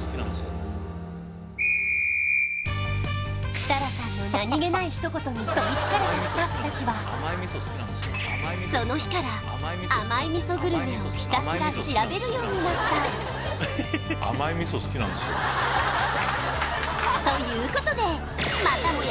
設楽さんの何気ない一言にとりつかれたスタッフたちはその日から甘い味噌グルメをひたすら調べるようになった甘い味噌好きなんですよということでまたもや